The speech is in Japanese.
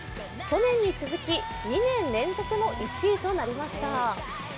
去年に続き２年連続の１位となりました。